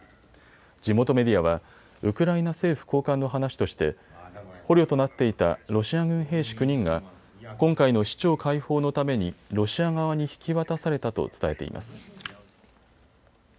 地元メディアはウクライナ政府高官の話として捕虜となっていたロシア軍兵士９人が今回の市長解放のためにロシア側に引き渡されたと伝えています。